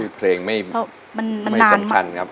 เพลงไม่มันนานมาก